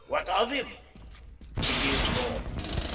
"What of him?" "He is gone."